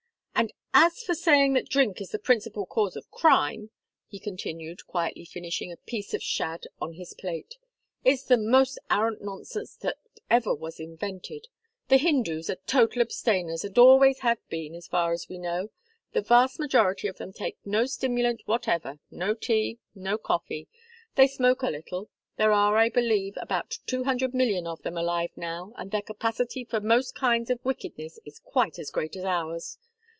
"And as for saying that drink is the principal cause of crime," he continued, quietly finishing a piece of shad on his plate, "it's the most arrant nonsense that ever was invented. The Hindus are total abstainers and always have been, so far as we know. The vast majority of them take no stimulant whatever, no tea, no coffee. They smoke a little. There are, I believe, about two hundred millions of them alive now, and their capacity for most kinds of wickedness is quite as great as ours.